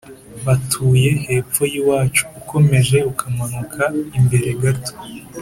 batuye hepfo yiwacu ukomeje ukamanuka imbere gato